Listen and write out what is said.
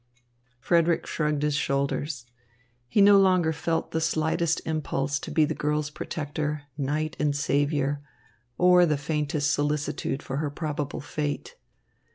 Frederick shrugged his shoulders. He no longer felt the slightest impulse to be the girl's protector, knight and saviour, or the faintest solicitude for her probable fate.